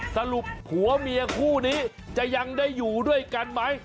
ผัวเมียคู่นี้จะยังได้อยู่ด้วยกันไหม